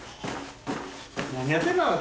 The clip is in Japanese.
何やってんの？